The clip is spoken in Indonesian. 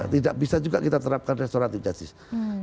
tidak bisa juga kita terapkan restoratif justice